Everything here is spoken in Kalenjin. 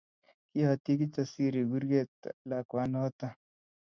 Kiyatyi Kijasiri kurget lakwanoto